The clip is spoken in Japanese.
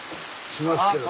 しますけど。